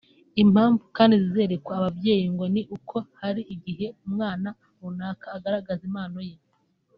Impamvu kandi zizerekwa ababyeyi ngo ni uko hari igihe umwana runaka agaragaza impano ye